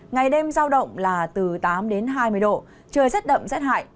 ngày đêm giao động là từ tám đến hai mươi độ trời rất đậm rất hại